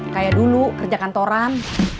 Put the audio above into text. kayak dulu kerja kantoran